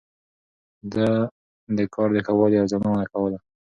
ده د کار د ښه والي ارزونه کوله.